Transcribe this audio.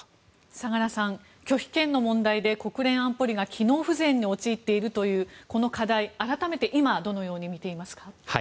相良さん、拒否権の問題で国連安保理が機能不全に陥っているというこの課題、改めて今、どのように見ていますか？